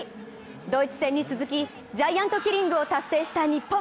ドイツ戦に続き、ジャイアントキリングを達成した日本。